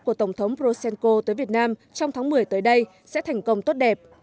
của tổng thống rosenco tới việt nam trong tháng một mươi tới đây sẽ thành công tốt đẹp